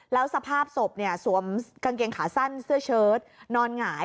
แล้วสภาพศพสวมกางเกงขาสั้นเสื้อเชิดนอนหงาย